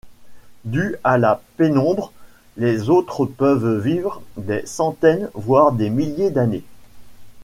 Dû à la Pénombre, les Autres peuvent vivre des centaines, voire des milliers, d'années.